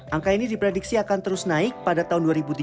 angka ini diprediksi akan terus naik pada tahun dua ribu tiga puluh